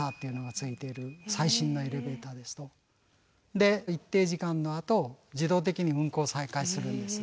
で一定時間のあと自動的に運行再開するんです。